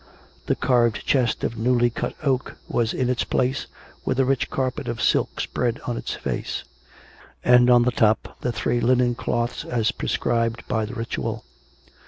The carved chest of newly cut oak was in its place, with a rich carpet of silk spread on its face; and, on the top, the three linen cloths as prescribed by the Ritual.